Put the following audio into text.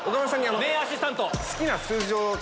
名アシスタント。